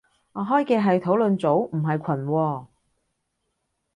我開嘅係個討論組，唔係群喎